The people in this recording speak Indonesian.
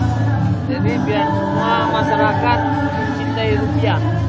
jadi biar semua masyarakat mencintai rupiah